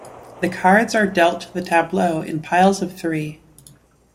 The cards are dealt to the tableau in piles of three.